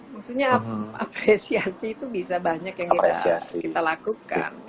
maksudnya apresiasi itu bisa banyak yang kita lakukan